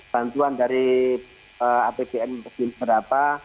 bantuan dari apbn berapa